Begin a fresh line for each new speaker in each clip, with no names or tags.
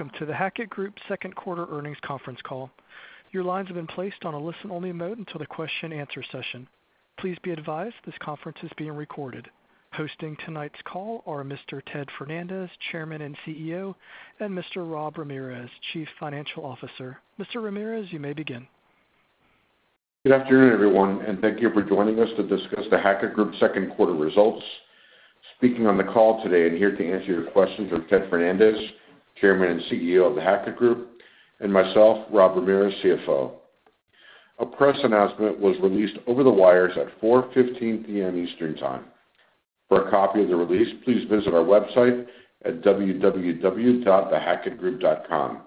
Welcome to The Hackett Group's second quarter earnings conference call. Your lines have been placed on a listen-only mode until the question-and-answer session. Please be advised this conference is being recorded. Hosting tonight's call are Mr. Ted Fernandez, Chairman and CEO, and Mr. Rob Ramirez, Chief Financial Officer. Mr. Ramirez, you may begin.
Good afternoon, everyone, and thank you for joining us to discuss The Hackett Group's second quarter results. Speaking on the call today and here to answer your questions are Ted Fernandez, Chairman and CEO of The Hackett Group, and myself, Rob Ramirez, CFO. A press announcement was released over the wires at 4:15 P.M. Eastern Time. For a copy of the release, please visit our website at www.thehackettgroup.com.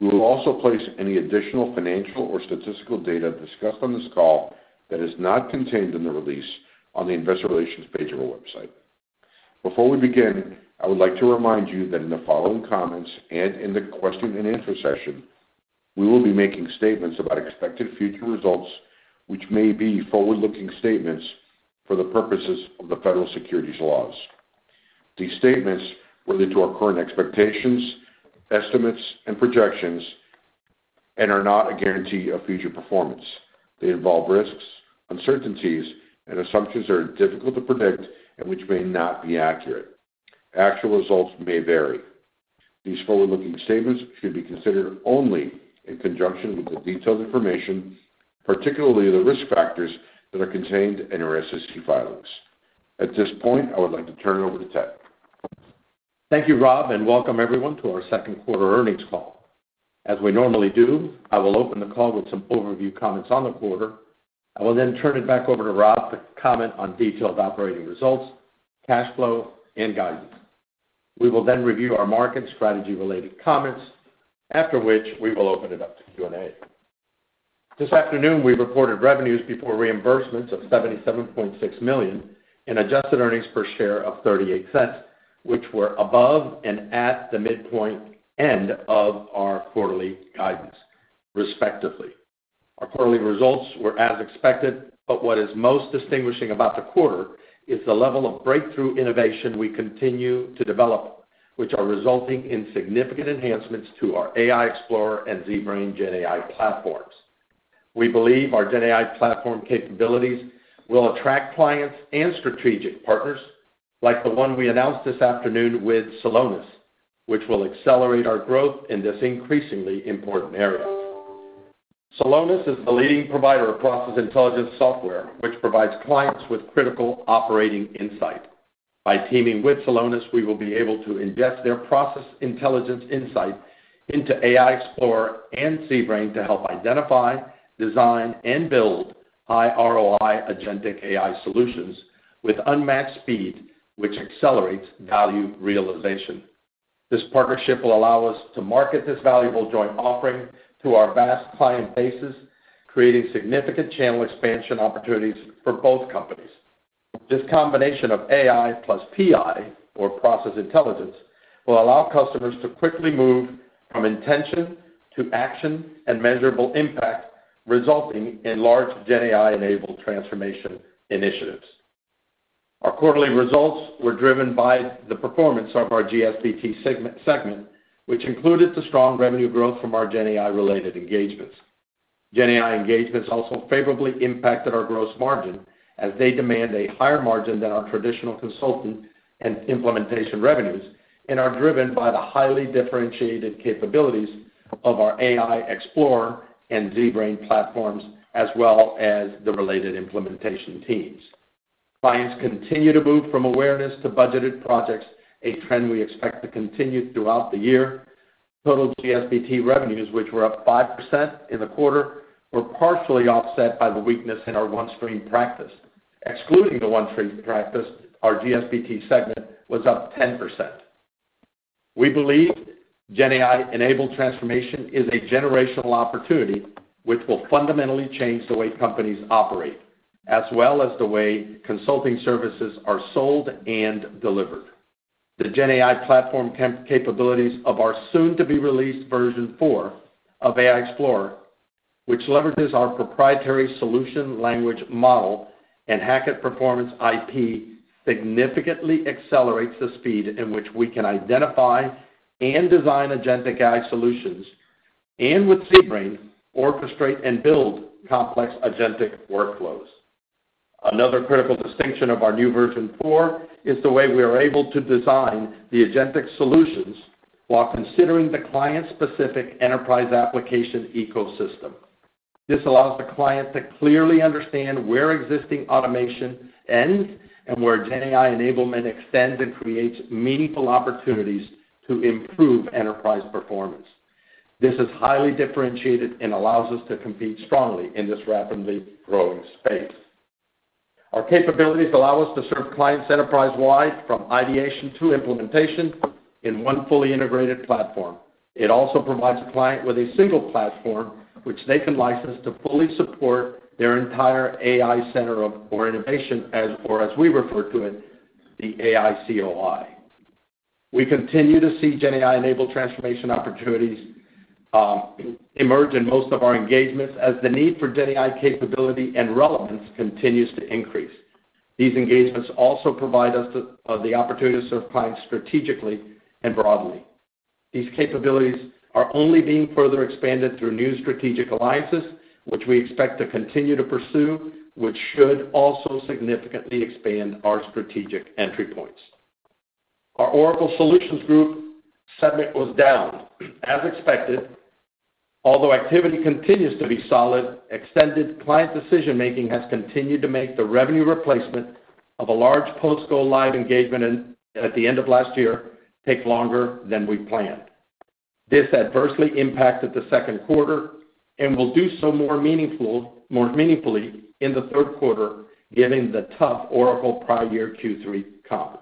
We will also place any additional financial or statistical data discussed on this call that is not contained in the release on the Investor Relations page of our website. Before we begin, I would like to remind you that in the following comments and in the question-and-answer session, we will be making statements about expected future results, which may be forward-looking statements for the purposes of the Federal Securities Laws. These statements relate to our current expectations, estimates, and projections and are not a guarantee of future performance. They involve risks, uncertainties, and assumptions that are difficult to predict and which may not be accurate. Actual results may vary. These forward-looking statements should be considered only in conjunction with the detailed information, particularly the risk factors that are contained in our SEC filings. At this point, I would like to turn it over to Ted.
Thank you, Rob, and welcome everyone to our second quarter earnings call. As we normally do, I will open the call with some overview comments on the quarter. I will then turn it back over to Rob to comment on detailed operating results, cash flow, and guidance. We will then review our market strategy-related comments, after which we will open it up to Q&A. This afternoon, we reported revenues before reimbursements of $77.6 million and adjusted earnings per share of $0.38, which were above and at the midpoint end of our quarterly guidance, respectively. Our quarterly results were as expected, but what is most distinguishing about the quarter is the level of breakthrough innovation we continue to develop, which are resulting in significant enhancements to our AI Explorer and ZBrain Gen AI platforms. We believe our Gen AI platform capabilities will attract clients and strategic partners, like the one we announced this afternoon with Celonis, which will accelerate our growth in this increasingly important area. Celonis is the leading provider of process intelligence software, which provides clients with critical operating insight. By teaming with Celonis, we will be able to ingest their process intelligence insight into AI Explorer and ZBrain to help identify, design, and build high ROI agentic AI solutions with unmatched speed, which accelerates value realization. This partnership will allow us to market this valuable joint offering to our vast client bases, creating significant channel expansion opportunities for both companies. This combination of AI plus PI, or process intelligence, will allow customers to quickly move from intention to action and measurable impact, resulting in large Gen AI-enabled transformation initiatives. Our quarterly results were driven by the performance of our GSBT segment, which included the strong revenue growth from our Gen AI-related engagements. Gen AI engagements also favorably impacted our gross margin, as they demand a higher margin than our traditional consulting and implementation revenues and are driven by the highly differentiated capabilities of our AI Explorer and ZBrain platforms, as well as the related implementation teams. Clients continue to move from awareness to budgeted projects, a trend we expect to continue throughout the year. Total GSBT revenues, which were up 5% in the quarter, were partially offset by the weakness in our OneStream practice. Excluding the OneStream practice, our GSBT segment was up 10%. We believe Gen AI-enabled transformation is a generational opportunity, which will fundamentally change the way companies operate, as well as the way consulting services are sold and delivered. The Gen AI platform capabilities of our soon-to-be released version 4 of AI Explorer, which leverages our proprietary solution language model and Hackett Performance IP, significantly accelerate the speed in which we can identify and design agentic AI solutions and, with ZBrain, orchestrate and build complex agentic workflows. Another critical distinction of our new version 4 is the way we are able to design the agentic solutions while considering the client-specific enterprise application ecosystem. This allows the client to clearly understand where existing automation ends and where Gen AI enablement extends and creates meaningful opportunities to improve enterprise performance. This is highly differentiated and allows us to compete strongly in this rapidly growing space. Our capabilities allow us to serve clients enterprise-wide, from ideation to implementation, in one fully integrated platform. It also provides a client with a single platform which they can license to fully support their entire AI center of innovation, or as we refer to it, the AI COI. We continue to see Gen AI-enabled transformation opportunities emerge in most of our engagements as the need for Gen AI capability and relevance continues to increase. These engagements also provide us the opportunity to serve clients strategically and broadly. These capabilities are only being further expanded through new strategic alliances, which we expect to continue to pursue, which should also significantly expand our strategic entry points. Our Oracle Solutions Group segment was down, as expected. Although activity continues to be solid, extended client decision-making has continued to make the revenue replacement of a large post-go-live engagement at the end of last year take longer than we planned. This adversely impacted the second quarter and will do so more meaningfully in the third quarter, given the tough Oracle prior year Q3 comp.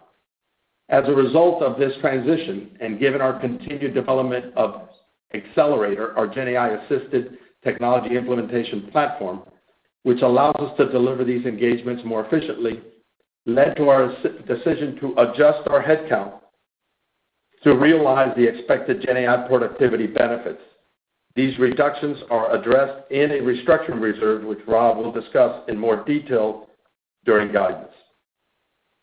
As a result of this transition and given our continued development of Accelerator, our Gen AI-assisted technology implementation platform, which allows us to deliver these engagements more efficiently, led to our decision to adjust our headcount to realize the expected Gen AI productivity benefits. These reductions are addressed in a restructuring reserve, which Rob will discuss in more detail during guidance.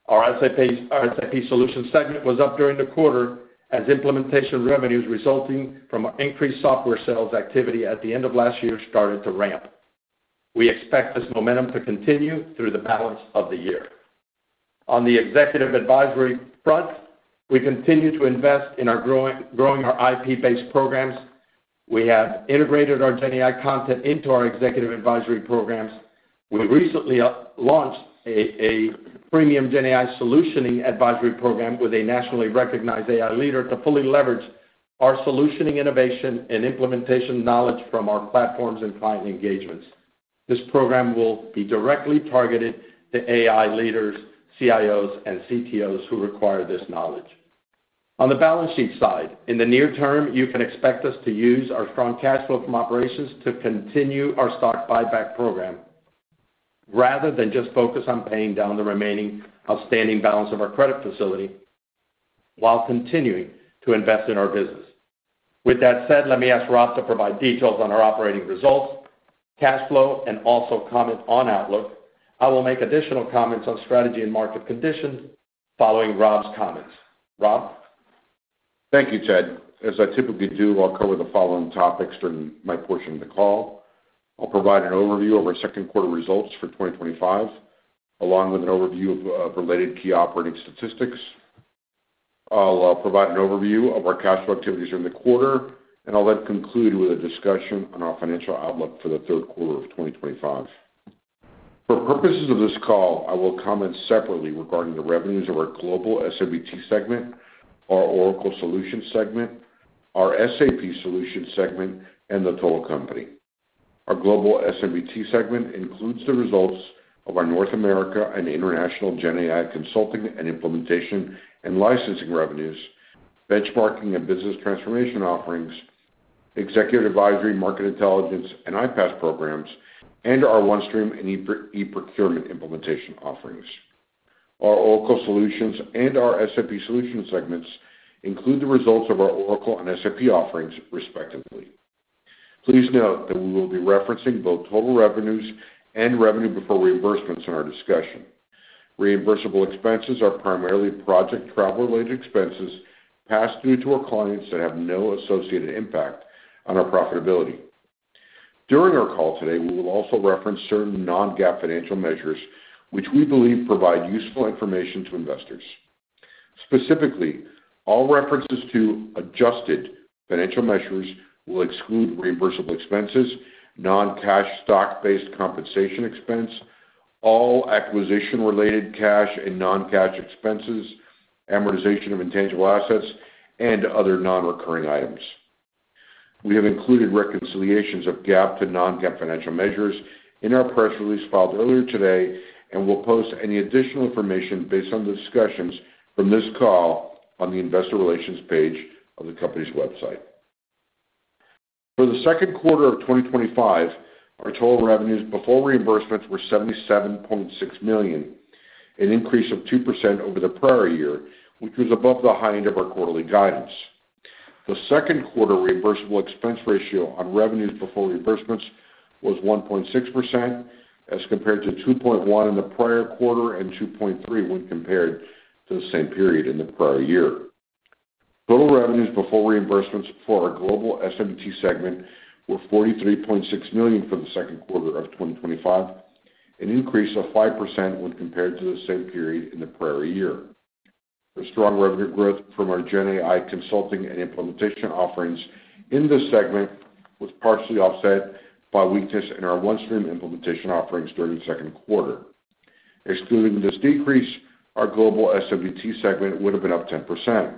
Our SAP Solutions segment was up during the quarter, as implementation revenues resulting from our increased software sales activity at the end of last year started to ramp. We expect this momentum to continue through the balance of the year. On the executive advisory front, we continue to invest in growing our IP-based programs. We have integrated our Gen AI content into our executive advisory programs. We recently launched a premium Gen AI solutioning advisory program with a nationally recognized AI leader to fully leverage our solutioning innovation and implementation knowledge from our platforms and client engagements. This program will be directly targeted to AI leaders, CIOs, and CTOs who require this knowledge. On the balance sheet side, in the near term, you can expect us to use our strong cash flow from operations to continue our stock buyback program, rather than just focus on paying down the remaining outstanding balance of our credit facility while continuing to invest in our business. With that said, let me ask Rob to provide details on our operating results, cash flow, and also comment on Outlook. I will make additional comments on strategy and market conditions following Rob's comments. Rob?
Thank you, Ted. As I typically do, I'll cover the following topics during my portion of the call. I'll provide an overview of our second quarter results for 2025, along with an overview of related key operating statistics. I'll provide an overview of our cash flow activities during the quarter, and I'll then conclude with a discussion on our financial Outlook for the third quarter of 2025. For purposes of this call, I will comment separately regarding the revenues of our Global S&BT segment, our Oracle Solutions segment, our SAP Solutions segment, and the total company. Our Global S&BT segment includes the results of our North America and Gen AI Consulting and implementation and licensing revenues, benchmarking and business transformation offerings, executive advisory, market intelligence and iPass programs, and our OneStream and eProcurement implementation offerings. Our Oracle Solutions and our SAP Solutions segments include the results of our Oracle and SAP offerings, respectively. Please note that we will be referencing both total revenues and revenue before reimbursements in our discussion. Reimbursable expenses are primarily project travel-related expenses passed through to our clients that have no associated impact on our profitability. During our call today, we will also reference certain non-GAAP financial measures, which we believe provide useful information to investors. Specifically, all references to adjusted financial measures will exclude reimbursable expenses, non-cash stock-based compensation expense, all acquisition-related cash and non-cash expenses, amortization of intangible assets, and other non-recurring items. We have included reconciliations of GAAP to non-GAAP financial measures in our press release filed earlier today and will post any additional information based on the discussions from this call on the Investor Relations page of the company's website. For the second quarter of 2025, our total revenues before reimbursements were $77.6 million, an increase of 2% over the prior year, which was above the high end of our quarterly guidance. The second quarter reimbursable expense ratio on revenues before reimbursements was 1.6% as compared to 2.1% in the prior quarter and 2.3% when compared to the same period in the prior year. Total revenues before reimbursements for our Global S&BT segment were $43.6 million for the second quarter of 2025, an increase of 5% when compared to the same period in the prior year. The strong revenue growth from Gen AI Consulting and implementation offerings in this segment was partially offset by weakness in our OneStream implementation offerings during the second quarter. Excluding this decrease, our Global S&BT segment would have been up 10%.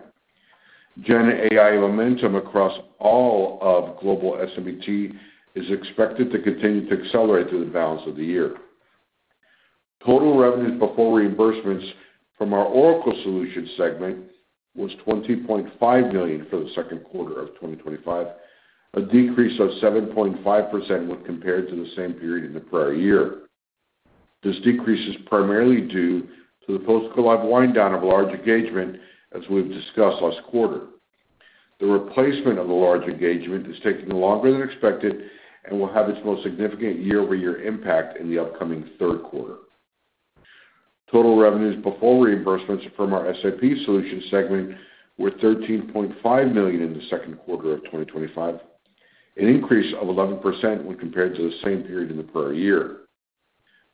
Gen AI momentum across all of Global S&BT is expected to continue to accelerate through the balance of the year. Total revenues before reimbursements from our Oracle Solutions segment were $20.5 million for the second quarter of 2025, a decrease of 7.5% when compared to the same period in the prior year. This decrease is primarily due to the post-go-live wind-down of a large engagement, as we've discussed last quarter. The replacement of the large engagement is taking longer than expected and will have its most significant year-over-year impact in the upcoming third quarter. Total revenues before reimbursements from our SAP Solutions segment were $13.5 million in the second quarter of 2025, an increase of 11% when compared to the same period in the prior year.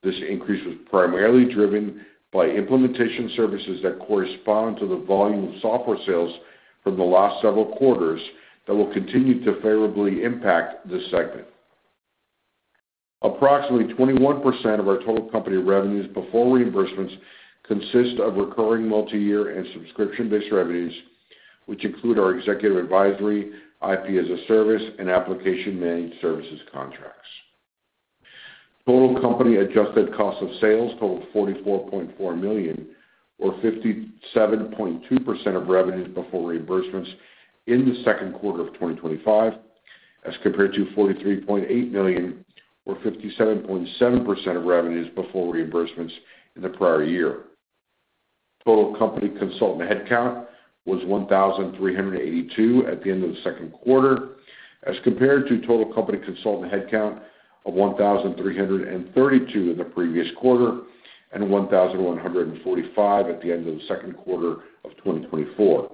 This increase was primarily driven by implementation services that correspond to the volume of software sales from the last several quarters that will continue to favorably impact this segment. Approximately 21% of our total company revenues before reimbursements consist of recurring multi-year and subscription-based revenues, which include our executive advisory, IP as a service, and application managed services contracts. Total company adjusted cost of sales totaled $44.4 million, or 57.2% of revenues before reimbursements in the second quarter of 2025, as compared to $43.8 million, or 57.7% of revenues before reimbursements in the prior year. Total company consultant headcount was 1,382 at the end of the second quarter, as compared to total company consultant headcount of 1,332 in the previous quarter and 1,145 at the end of the second quarter of 2024.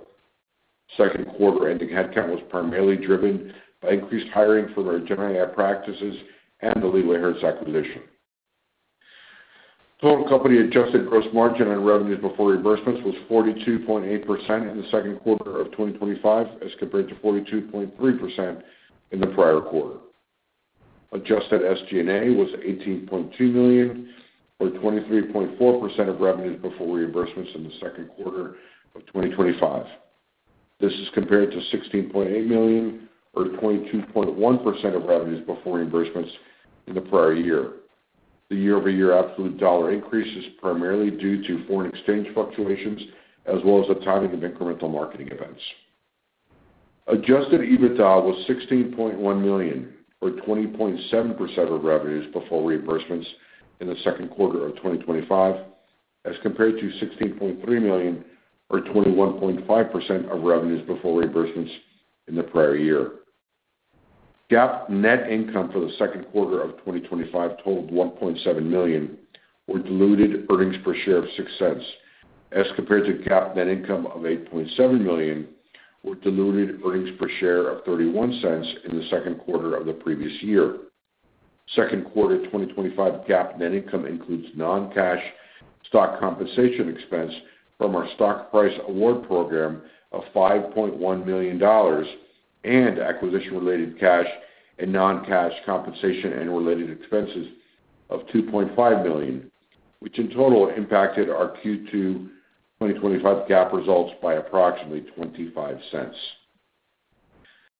Second quarter ending headcount was primarily driven by increased hiring from our Gen AI practices and the LeewayHertz acquisition. Total company adjusted gross margin on revenues before reimbursements was 42.8% in the second quarter of 2025, as compared to 42.3% in the prior quarter. Adjusted SG&A was $18.2 million, or 23.4% of revenues before reimbursements in the second quarter of 2025. This is compared to $16.8 million, or 22.1% of revenues before reimbursements in the prior year. The year-over-year absolute dollar increase is primarily due to foreign exchange fluctuations, as well as the timing of incremental marketing events. Adjusted EBITDA was $16.1 million, or 20.7% of revenues before reimbursements in the second quarter of 2025, as compared to $16.3 million, or 21.5% of revenues before reimbursements in the prior year. GAAP net income for the second quarter of 2025 totaled $1.7 million, or diluted earnings per share of $0.06, as compared to GAAP net income of $8.7 million, or diluted earnings per share of $0.31 in the second quarter of the previous year. Second quarter 2025 GAAP net income includes non-cash stock compensation expense from our stock price award program of $5.1 million and acquisition-related cash and non-cash compensation and related expenses of $2.5 million, which in total impacted our Q2 2025 GAAP results by approximately $0.25.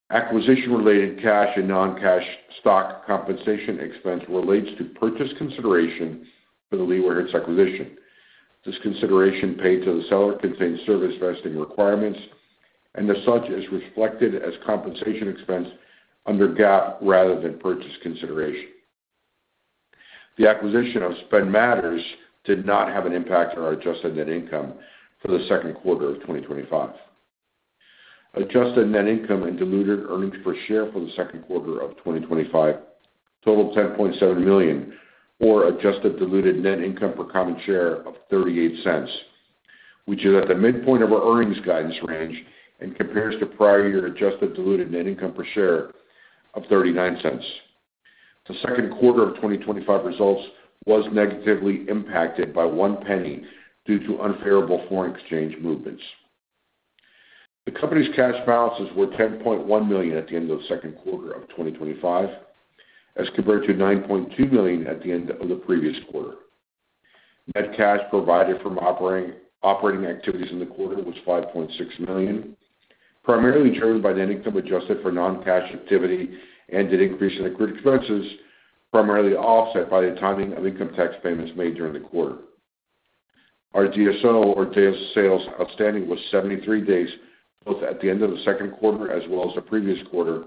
Acquisition-related cash and non-cash stock compensation expense relates to purchase consideration for the LeewayHertz acquisition. This consideration paid to the seller contained service vesting requirements, and as such is reflected as compensation expense under GAAP rather than purchase consideration. The acquisition of Spend Matters did not have an impact on our adjusted net income for the second quarter of 2025. Adjusted net income and diluted earnings per share for the second quarter of 2025 totaled $10.7 million, or adjusted diluted net income per common share of $0.38, which is at the midpoint of our earnings guidance range and compares to prior year adjusted diluted net income per share of $0.39. The second quarter of 2025 results was negatively impacted by one penny due to unfavorable foreign exchange movements. The company's cash balances were $10.1 million at the end of the second quarter of 2025, as compared to $9.2 million at the end of the previous quarter. Cash provided from operating activities in the quarter was $5.6 million, primarily driven by the income adjusted for non-cash activity and an increase in acquisition expenses, primarily offset by the timing of income tax payments made during the quarter. Our DSO, or days sales outstanding, was 73 days, both at the end of the second quarter as well as the previous quarter,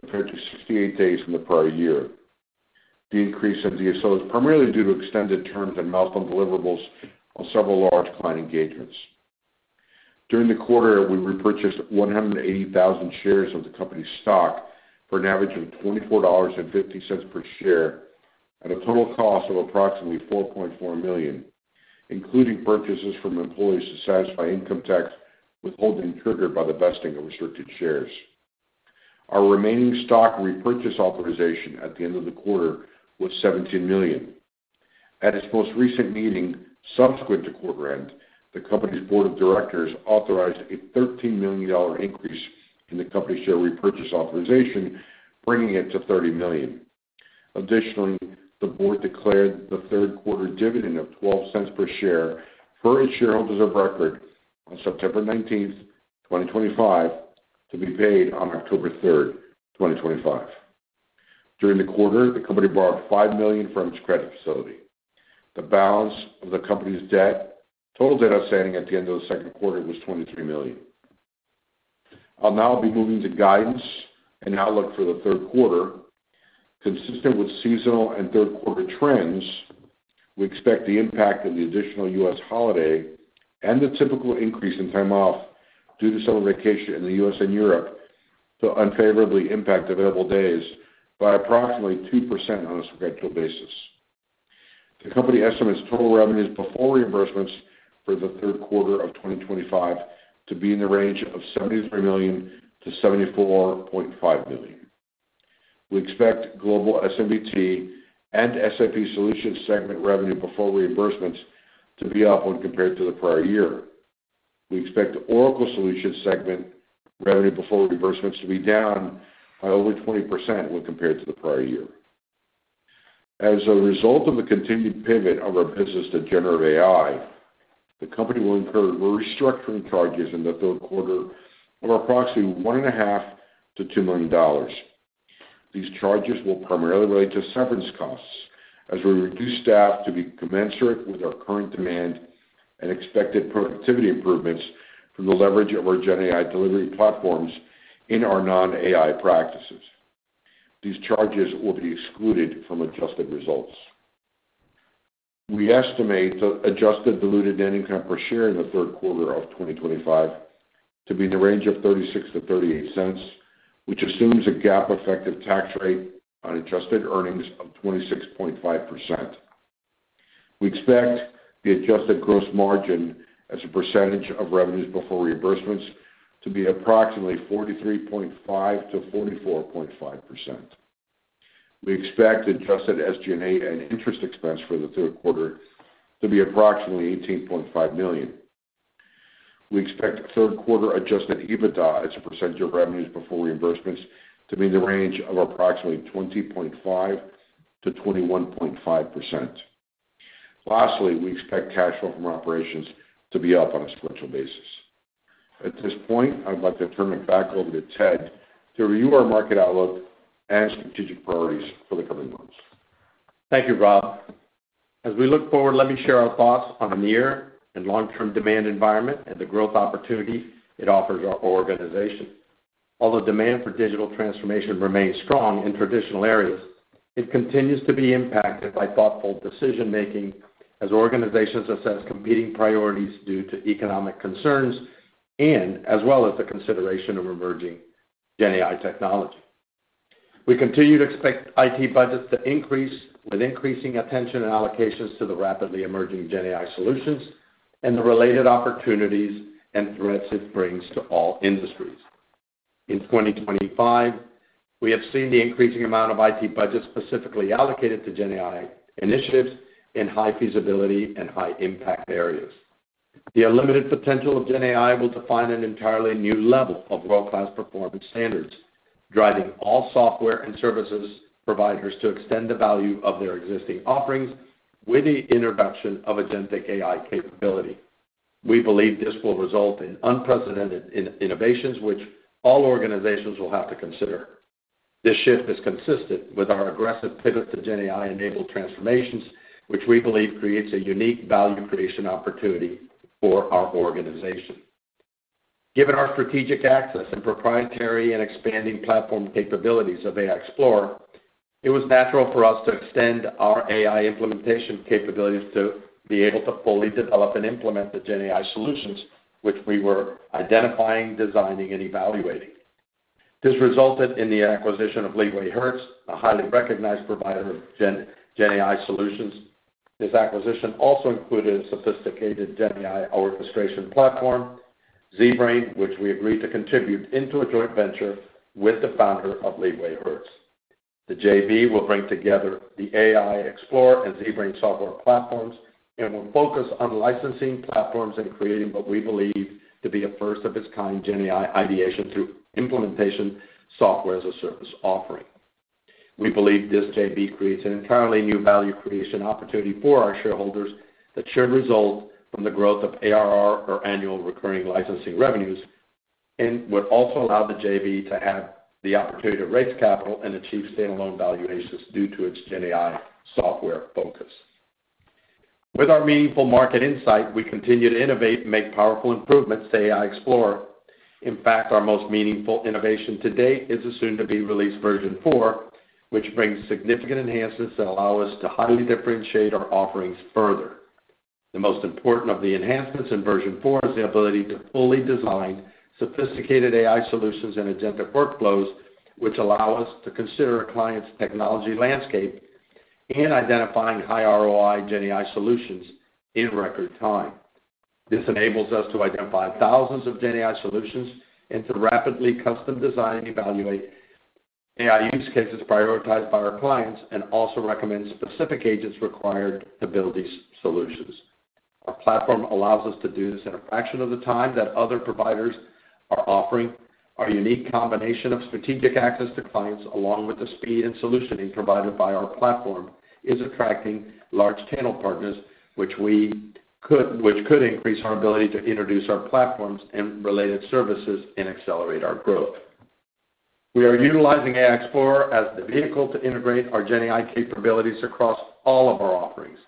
compared to 68 days from the prior year. The increase in DSOs is primarily due to extended terms and milestone deliverables on several large client engagements. During the quarter, we repurchased 180,000 shares of the company's stock for an average of $24.50 per share at a total cost of approximately $4.4 million, including purchases from employees to satisfy income tax withholding triggered by the vesting of restricted shares. Our remaining stock repurchase authorization at the end of the quarter was $17 million. At its most recent meeting, subsequent to quarter end, the company's Board of Directors authorized a $13 million increase in the company share repurchase authorization, bringing it to $30 million. Additionally, the board declared the third quarter dividend of $0.12 per share for its shareholders of record on September 19th, 2025, to be paid on October 3rd, 2025. During the quarter, the company borrowed $5 million from its credit facility. The balance of the company's debt, total debt outstanding at the end of the second quarter, was $23 million. I'll now be moving to guidance and Outlook for the third quarter. Consistent with seasonal and third quarter trends, we expect the impact of the additional U.S. holiday and the typical increase in time off due to summer vacation in the U.S. and Europe to unfavorably impact available days by approximately 2% on a perpetual basis. The company estimates total revenues before reimbursements for the third quarter of 2025 to be in the range of $73 million to $74.5 million. We expect global S&BT and SAP Solutions segment revenue before reimbursements to be up when compared to the prior year. We expect the Oracle Solutions segment revenue before reimbursements to be down by over 20% when compared to the prior year. As a result of the continued pivot of our business to generative AI, the company will incur restructuring charges in the third quarter of approximately $1.5 to $2 million. These charges will primarily relate to severance costs, as we reduce staff to be commensurate with our current demand and expected productivity improvements from the leverage of our Gen AI delivery platforms in our non-AI practices. These charges will be excluded from adjusted results. We estimate the adjusted diluted net income per share in the third quarter of 2025 to be in the range of $0.36 to $0.38, which assumes a GAAP effective tax rate on adjusted earnings of 26.5%. We expect the adjusted gross margin as a percentage of revenues before reimbursements to be approximately 43.5% to 44.5%. We expect adjusted SG&A and interest expense for the third quarter to be approximately $18.5 million. We expect third quarter adjusted EBITDA as a percentage of revenues before reimbursements to be in the range of approximately 20.5% to 21.5%. Lastly, we expect cash flow from operations to be up on a perpetual basis. At this point, I'd like to turn it back over to Ted to review our market Outlook and strategic priorities for the coming months.
Thank you, Rob. As we look forward, let me share our thoughts on the near and long-term demand environment and the growth opportunity it offers our organization. Although demand for digital transformation remains strong in traditional areas, it continues to be impacted by thoughtful decision-making as organizations assess competing priorities due to economic concerns as well as the consideration of emerging Gen AI technology. We continue to expect IT budgets to increase with increasing attention and allocations to the rapidly emerging Gen AI Solutions and the related opportunities and threats it brings to all industries. In 2025, we have seen the increasing amount of IT budgets specifically allocated to Gen AI initiatives in high feasibility and high impact areas. The unlimited potential of Gen AI will define an entirely new level of world-class performance standards, driving all software and services providers to extend the value of their existing offerings with the introduction of agentic AI capability. We believe this will result in unprecedented innovations, which all organizations will have to consider. This shift is consistent with our aggressive pivot to Gen AI-enabled transformations, which we believe creates a unique value creation opportunity for our organization. Given our strategic access and proprietary and expanding platform capabilities of AI Explorer, it was natural for us to extend our AI implementation capabilities to be able to fully develop and implement the Gen AI Solutions which we were identifying, designing, and evaluating. This resulted in the acquisition of LeewayHertz, a highly recognized provider of Gen AI Solutions. This acquisition also included a sophisticated Gen AI orchestration platform, ZBrain, which we agreed to contribute into a joint venture with the founder of LeewayHertz. The JV will bring together the AI Explorer and ZBrain software platforms and will focus on licensing platforms and creating what we believe to be a first-of-its-kind Gen AI ideation through implementation software as a service offering. We believe this joint venture creates an entirely new value creation opportunity for our shareholders that should result from the growth of ARR, or annual recurring licensing revenues, and would also allow the joint venture to have the opportunity to raise capital and achieve standalone valuations due to its Gen AI software focus. With our meaningful market insight, we continue to innovate and make powerful improvements to AI Explorer. In fact, our most meaningful innovation to date is the soon-to-be released version 4, which brings significant enhancements that allow us to highly differentiate our offerings further. The most important of the enhancements in version 4 is the ability to fully design sophisticated AI Solutions and agentic workflows, which allow us to consider a client's technology landscape and identifying high ROI Gen AI Solutions in record time. This enables us to identify thousands of Gen AI Solutions and to rapidly custom design and evaluate AI use cases prioritized by our clients and also recommend specific agents' required abilities Solutions. Our platform allows us to do this in a fraction of the time that other providers are offering. Our unique combination of strategic access to clients, along with the speed and solutioning provided by our platform, is attracting large channel partners, which could increase our ability to introduce our platforms and related services and accelerate our growth. We are utilizing AI Explorer as the vehicle to integrate our Gen AI capabilities across all of our offerings.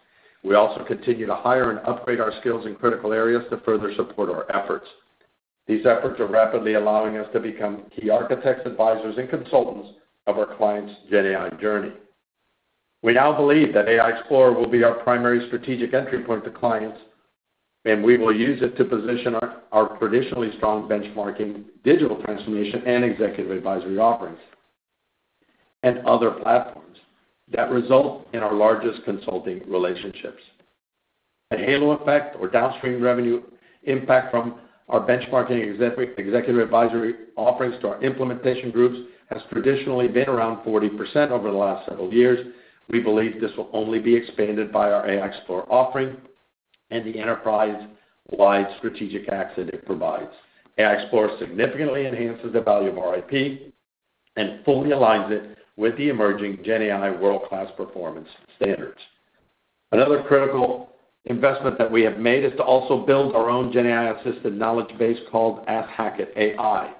We also continue to hire and upgrade our skills in critical areas to further support our efforts. These efforts are rapidly allowing us to become key architects, advisors, and consultants of our clients' Gen AI journey. We now believe that AI Explorer will be our primary strategic entry point to clients, and we will use it to position our traditionally strong benchmarking digital transformation and executive advisory offerings and other platforms that result in our largest consulting relationships. A halo effect, or downstream revenue impact from our benchmarking executive advisory offerings to our implementation groups has traditionally been around 40% over the last several years. We believe this will only be expanded by our AI Explorer offering and the enterprise-wide strategic access it provides. AI Explorer significantly enhances the value of our IP and fully aligns it with the emerging Gen AI world-class performance standards. Another critical investment that we have made is to also build our own Gen AI-assisted knowledge base called App Hackett AI.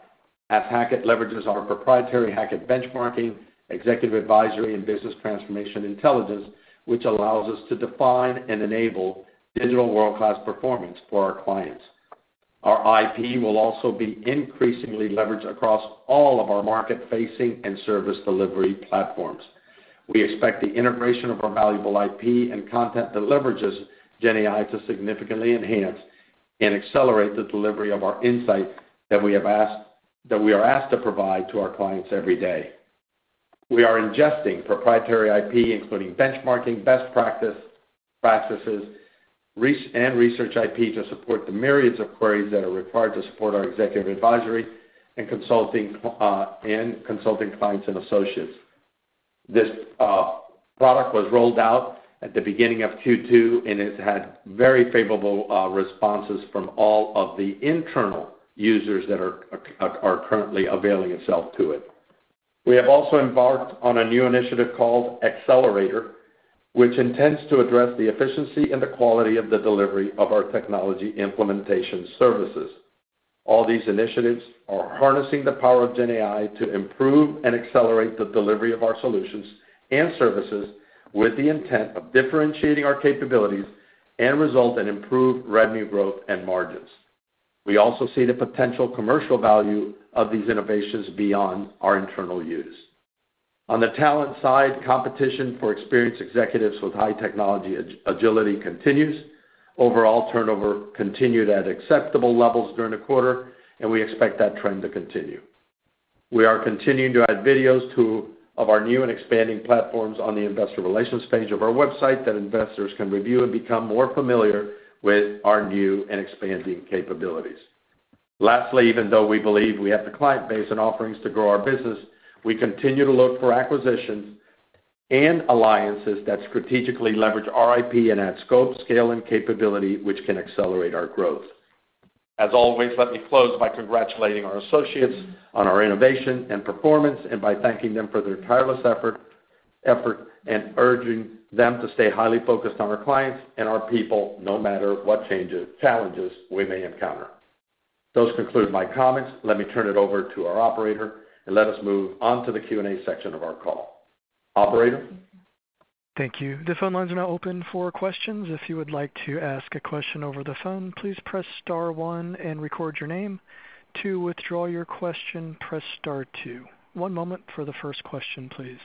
App Hackett leverages our proprietary Hackett benchmarking, executive advisory, and business transformation intelligence, which allows us to define and enable digital world-class performance for our clients. Our IP will also be increasingly leveraged across all of our market-facing and service delivery platforms. We expect the integration of our valuable IP and content that leverages Gen AI to significantly enhance and accelerate the delivery of our insight that we are asked to provide to our clients every day. We are ingesting proprietary IP, including benchmarking best practices and research IP, to support the myriads of queries that are required to support our executive advisory and consulting clients and associates. This product was rolled out at the beginning of Q2, and it's had very favorable responses from all of the internal users that are currently availing themselves to it. We have also embarked on a new initiative called Accelerator, which intends to address the efficiency and the quality of the delivery of our technology implementation services. All these initiatives are harnessing the power of Gen AI to improve and accelerate the delivery of our solutions and services with the intent of differentiating our capabilities and resulting in improved revenue growth and margins. We also see the potential commercial value of these innovations beyond our internal use. On the talent side, competition for experienced executives with high technology agility continues. Overall, turnover continued at acceptable levels during the quarter, and we expect that trend to continue. We are continuing to add videos to our new and expanding platforms on the Investor Relations page of our website that investors can review and become more familiar with our new and expanding capabilities. Lastly, even though we believe we have the client base and offerings to grow our business, we continue to look for acquisitions and alliances that strategically leverage our IP and add scope, scale, and capability, which can accelerate our growth. As always, let me close by congratulating our associates on our innovation and performance and by thanking them for their tireless effort and urging them to stay highly focused on our clients and our people, no matter what challenges we may encounter. Those conclude my comments. Let me turn it over to our operator and let us move on to the Q&A section of our call. Operator?
Thank you. The phone lines are now open for questions. If you would like to ask a question over the phone, please press star one and record your name. To withdraw your question, press star two. One moment for the first question, please.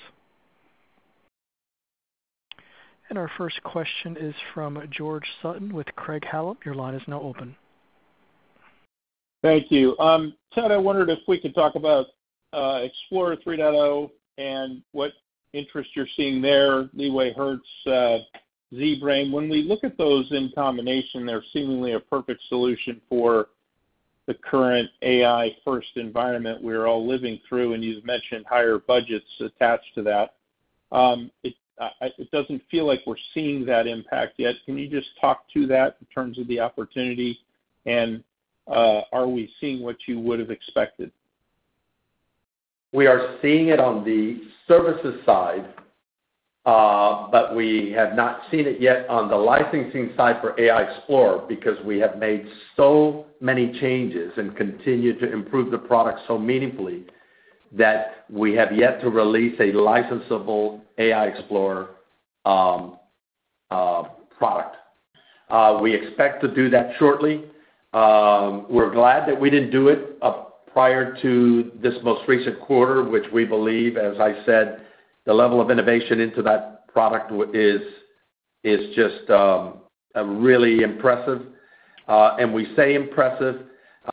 Our first question is from George Sutton with Craig-Hallum. Your line is now open.
Thank you. Ted, I wondered if we could talk about Explorer 3.0 and what interest you're seeing there, LeewayHertz, ZBrain. When we look at those in combination, they're seemingly a perfect solution for the current AI-first environment we're all living through. You've mentioned higher budgets attached to that. It doesn't feel like we're seeing that impact yet. Can you just talk to that in terms of the opportunity and are we seeing what you would have expected?
We are seeing it on the services side, but we have not seen it yet on the licensing side for AI Explorer because we have made so many changes and continued to improve the product so meaningfully that we have yet to release a licensable AI Explorer product. We expect to do that shortly. We're glad that we didn't do it prior to this most recent quarter, which we believe, as I said, the level of innovation into that product is just really impressive. We say impressive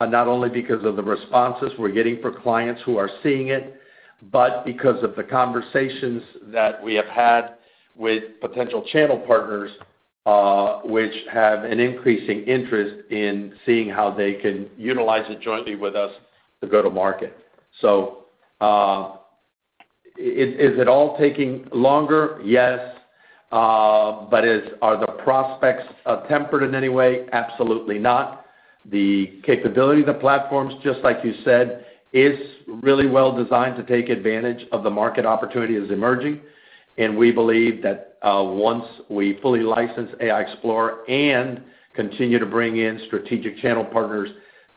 not only because of the responses we're getting from clients who are seeing it, but because of the conversations that we have had with potential channel partners, which have an increasing interest in seeing how they can utilize it jointly with us to go to market. Is it all taking longer? Yes. Are the prospects tempered in any way? Absolutely not. The capability of the platforms, just like you said, is really well designed to take advantage of the market opportunity that is emerging. We believe that once we fully license AI Explorer and continue to bring in strategic channel partners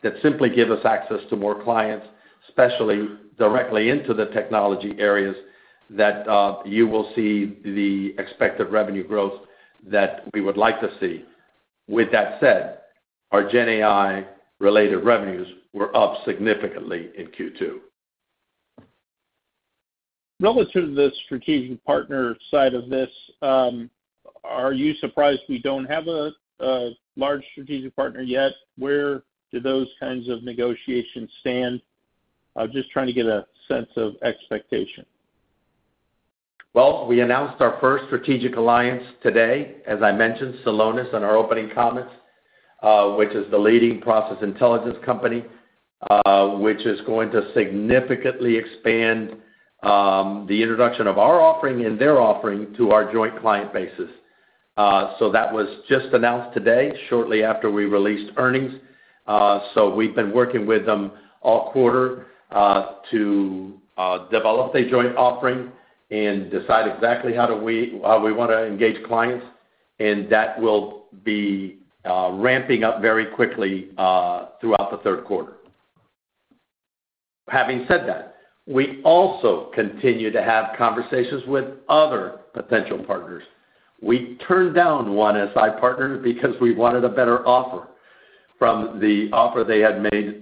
that simply give us access to more clients, especially directly into the technology areas, you will see the expected revenue growth that we would like to see. With that said, our Gen AI-related revenues were up significantly in Q2.
I'm going to turn to the strategic partner side of this. Are you surprised we don't have a large strategic partner yet? Where do those kinds of negotiations stand? I'm just trying to get a sense of expectation.
We announced our first strategic alliance today. As I mentioned, Celonis in our opening comments, which is the leading process intelligence company, is going to significantly expand the introduction of our offering and their offering to our joint client base. That was just announced today, shortly after we released earnings. We have been working with them all quarter to develop a joint offering and decide exactly how we want to engage clients. That will be ramping up very quickly throughout the third quarter. Having said that, we also continue to have conversations with other potential partners. We turned down one SI partner because we wanted a better offer from the offer they had made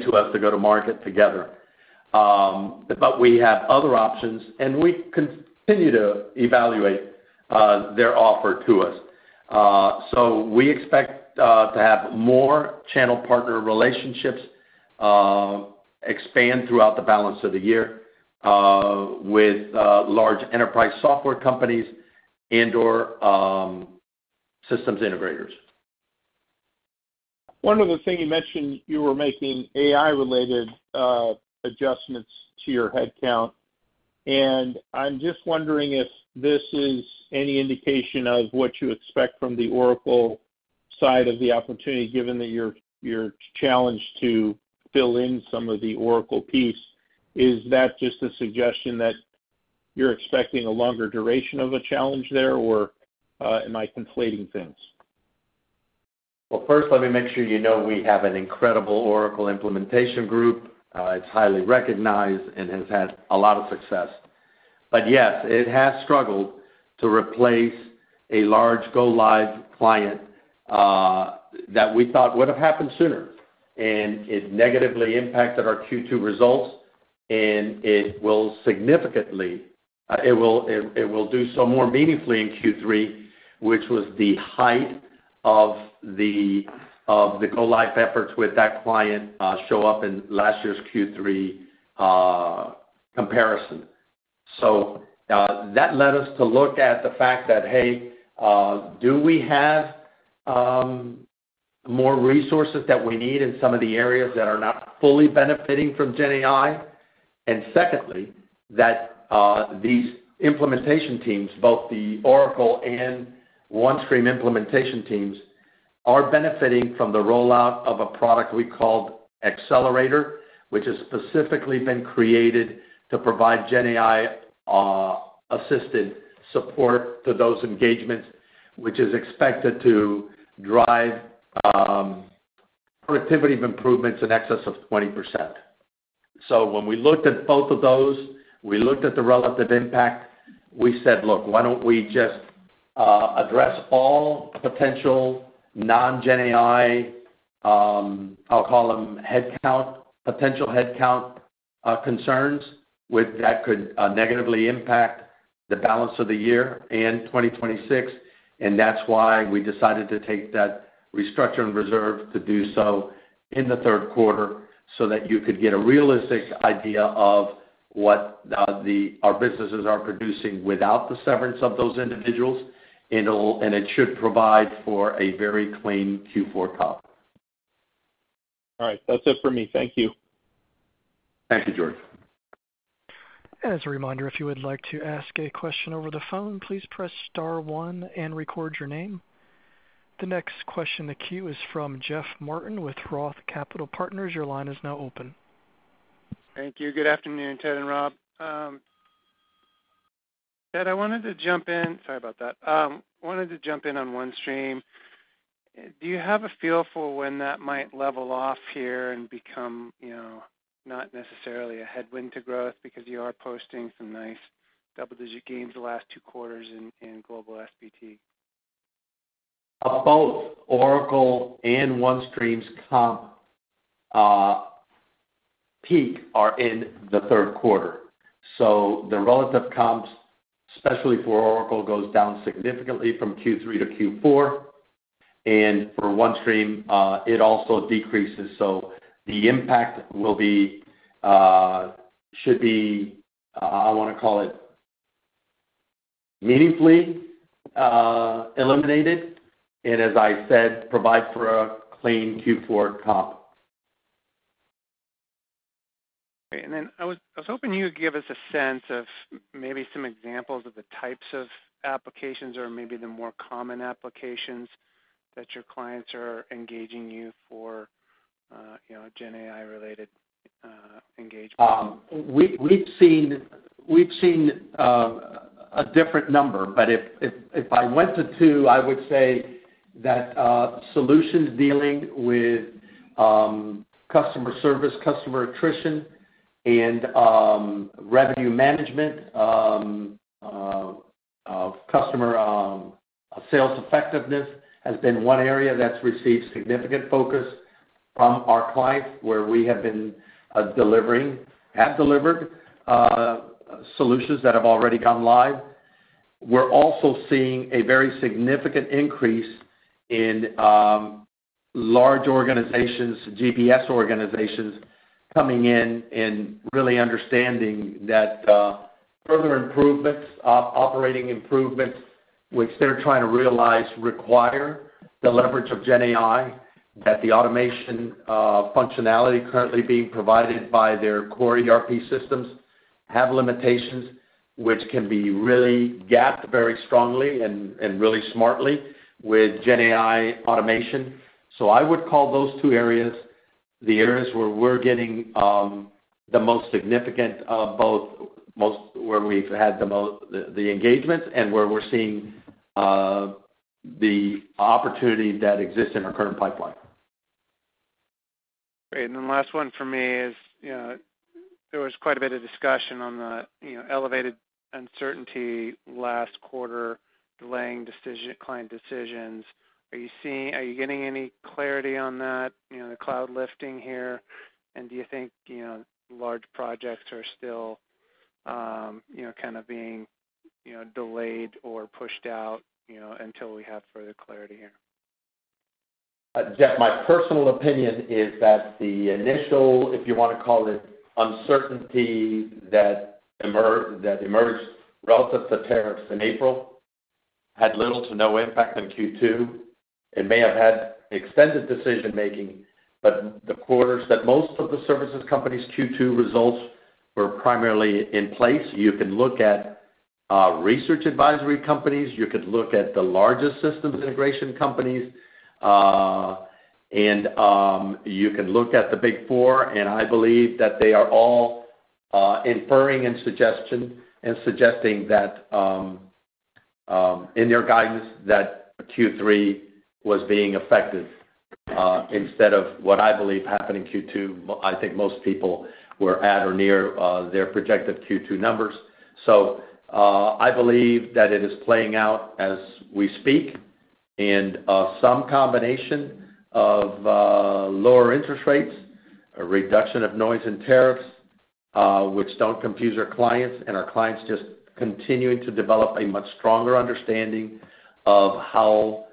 to us to go to market together. We have other options, and we continue to evaluate their offer to us. We expect to have more channel partner relationships expand throughout the balance of the year with large enterprise software companies and/or systems integrators.
One other thing you mentioned, you were making AI-related adjustments to your headcount. I'm just wondering if this is any indication of what you expect from the Oracle side of the opportunity, given that you're challenged to fill in some of the Oracle piece. Is that just a suggestion that you're expecting a longer duration of a challenge there, or am I conflating things?
First, let me make sure you know we have an incredible Oracle implementation group. It's highly recognized and has had a lot of success. Yes, it has struggled to replace a large go-live client that we thought would have happened sooner. It negatively impacted our Q2 results, and it will do so more meaningfully in Q3, which was the height of the go-live efforts with that client showing up in last year's Q3 comparison. That led us to look at the fact that, hey, do we have more resources that we need in some of the areas that are not fully benefiting from Gen AI? Secondly, these implementation teams, both the Oracle and OneStream implementation teams, are benefiting from the rollout of a product we called Accelerator, which has specifically been created to provide Gen AI-assisted support to those engagements, which is expected to drive productivity improvements in excess of 20%. When we looked at both of those, we looked at the relative impact. We said, look, why don't we just address all potential non-Gen AI, I'll call them potential headcount concerns that could negatively impact the balance of the year and 2026? That's why we decided to take that restructuring reserve to do so in the third quarter so that you could get a realistic idea of what our businesses are producing without the severance of those individuals. It should provide for a very clean Q4 comp.
All right. That's it for me. Thank you.
Thank you, George.
As a reminder, if you would like to ask a question over the phone, please press star one and record your name. The next question in the queue is from Jeff Martin with Roth Capital Partners. Your line is now open.
Thank you. Good afternoon, Ted and Rob. Ted, I wanted to jump in. I wanted to jump in on OneStream. Do you have a feel for when that might level off here and become, you know, not necessarily a headwind to growth because you are posting some nice double-digit gains the last two quarters in Global S&BT?
Both Oracle and OneStream's comp peak are in the third quarter. The relative comps, especially for Oracle, go down significantly from Q3 to Q4. For OneStream, it also decreases. The impact will be, should be, I want to call it meaningfully eliminated, and as I said, provide for a clean Q4 comp.
Great. I was hoping you would give us a sense of maybe some examples of the types of applications or maybe the more common applications that your clients are engaging you for, you know, Gen AI-related engagement.
We've seen a different number, but if I went to two, I would say that solutions dealing with customer service, customer attrition, and revenue management of customer sales effectiveness has been one area that's received significant focus from our clients where we have been delivering, have delivered solutions that have already gone live. We're also seeing a very significant increase in large organizations, GPS organizations coming in and really understanding that further improvements, operating improvements, which they're trying to realize, require the leverage of Gen AI, that the automation functionality currently being provided by their core ERP systems have limitations, which can be really gapped very strongly and really smartly with Gen AI automation. I would call those two areas the areas where we're getting the most significant, both most where we've had the most engagements and where we're seeing the opportunity that exists in our current pipeline.
Great. The last one for me is, there was quite a bit of discussion on the elevated uncertainty last quarter, delaying client decisions. Are you seeing, are you getting any clarity on that, the cloud lifting here? Do you think large projects are still kind of being delayed or pushed out until we have further clarity here?
Jeff, my personal opinion is that the initial, if you want to call it, uncertainty that emerged relative to tariffs in April had little to no impact on Q2 and may have had extended decision-making, but the quarters that most of the services companies' Q2 results were primarily in place. You can look at research advisory companies, you could look at the largest systems integration companies, and you can look at the Big Four. I believe that they are all inferring and suggesting that in their guidance that Q3 was being affected instead of what I believe happened in Q2. I think most people were at or near their projected Q2 numbers. I believe that it is playing out as we speak. Some combination of lower interest rates, a reduction of noise in tariffs, which do not confuse our clients, and our clients just continuing to develop a much stronger understanding of how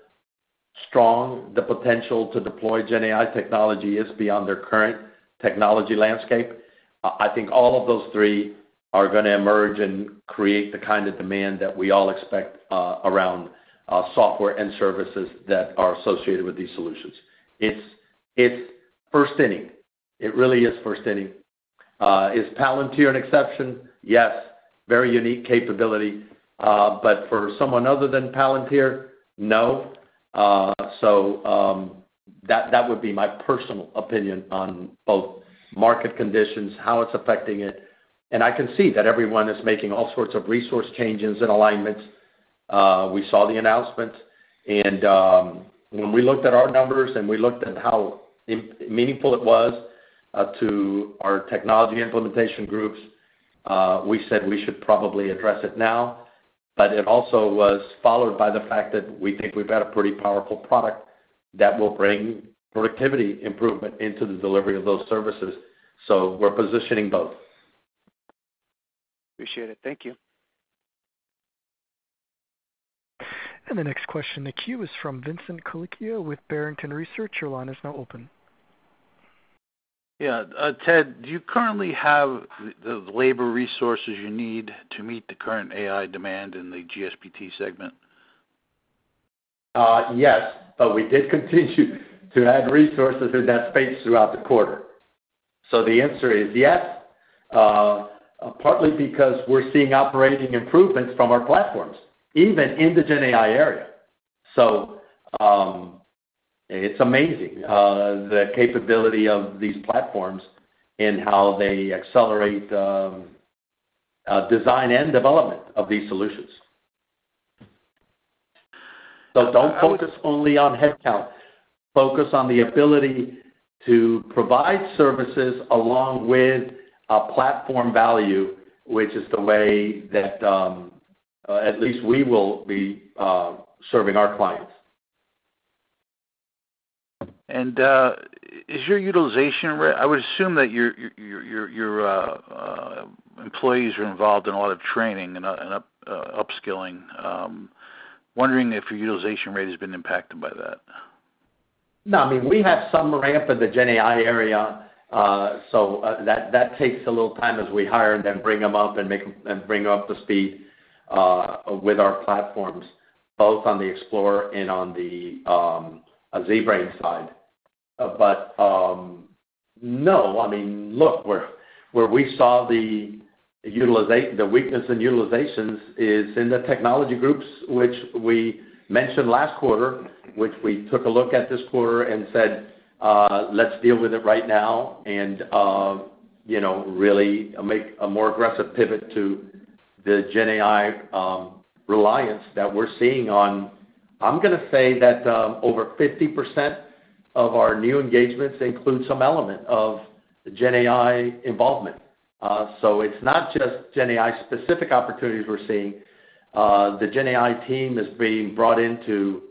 strong the potential to deploy Gen AI technology is beyond their current technology landscape. I think all of those three are going to emerge and create the kind of demand that we all expect around software and services that are associated with these solutions. It's first inning. It really is first inning. Is Palantir an exception? Yes. Very unique capability. For someone other than Palantir, no. That would be my personal opinion on both market conditions, how it's affecting it. I can see that everyone is making all sorts of resource changes and alignments. We saw the announcements. When we looked at our numbers and we looked at how meaningful it was to our technology implementation groups, we said we should probably address it now. It also was followed by the fact that we think we've got a pretty powerful product that will bring productivity improvement into the delivery of those services. We're positioning both.
Appreciate it. Thank you.
The next question in the queue is from Vincent Colicchio with Barrington Research. Your line is now open.
Yeah. Ted, do you currently have the labor resources you need to meet the current AI demand in the GSBT segment?
Yes, but we did continue to add resources in that space throughout the quarter. The answer is yes, partly because we're seeing operating improvements from our platforms, even in the Gen AI area. It's amazing, the capability of these platforms and how they accelerate design and development of these solutions. Don't focus only on headcount. Focus on the ability to provide services along with a platform value, which is the way that at least we will be serving our clients.
Is your utilization rate? I would assume that your employees are involved in a lot of training and upskilling. I'm wondering if your utilization rate has been impacted by that.
No, I mean, we have some ramp in the Gen AI area. That takes a little time as we hire and then bring them up and make them and bring them up to speed with our platforms, both on the Explorer and on the ZBrain side. No, I mean, look, where we saw the weakness in utilizations is in the technology groups, which we mentioned last quarter, which we took a look at this quarter and said, "Let's deal with it right now and, you know, really make a more aggressive pivot to the Gen AI reliance that we're seeing on." I'm going to say that over 50% of our new engagements include some element of Gen AI involvement. It's not just Gen AI-specific opportunities we're seeing. The Gen AI team is being brought into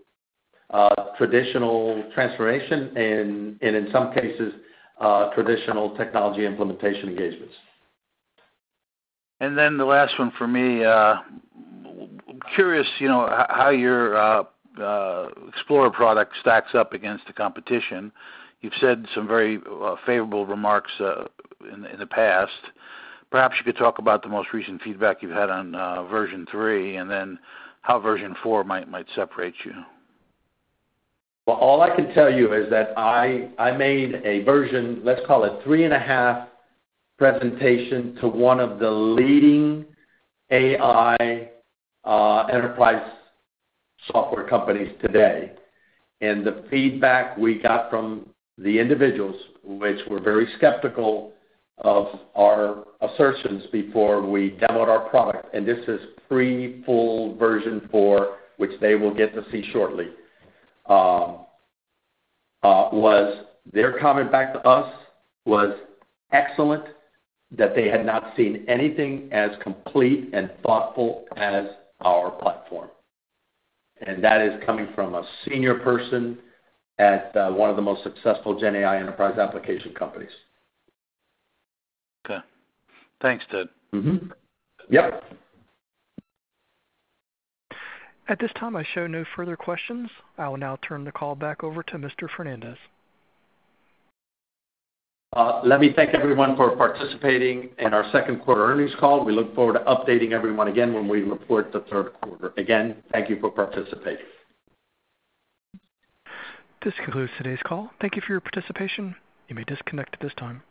traditional transformation and, in some cases, traditional technology implementation engagements.
The last one for me. I'm curious, you know, how your Explorer product stacks up against the competition. You've said some very favorable remarks in the past. Perhaps you could talk about the most recent feedback you've had on version three and then how version four might separate you.
I can tell you that I made a version, let's call it three and a half, presentation to one of the leading AI enterprise software companies today. The feedback we got from the individuals, which were very skeptical of our assertions before we demoed our product, and this is pre-pull version four, which they will get to see shortly, was their comment back to us was excellent, that they had not seen anything as complete and thoughtful as our platform. That is coming from a senior person at one of the most successful Gen AI enterprise application companies.
Okay. Thanks, Ted.
Yep.
At this time, I show no further questions. I will now turn the call back over to Mr. Fernandez.
Let me thank everyone for participating in our second quarter earnings call. We look forward to updating everyone again when we report the third quarter. Again, thank you for participating.
This concludes today's call. Thank you for your participation. You may disconnect at this time.